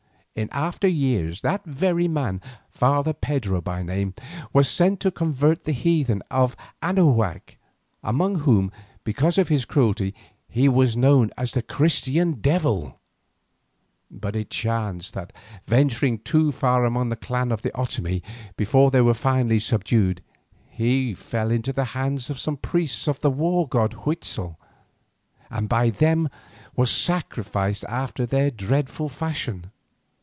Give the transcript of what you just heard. In after years that very man, Father Pedro by name, was sent to convert the heathen of Anahuac, among whom, because of his cruelty, he was known as the "Christian Devil." But it chanced that venturing too far among a clan of the Otomie before they were finally subdued, he fell into the hands of some priests of the war god Huitzel, and by them was sacrificed after their dreadful fashion.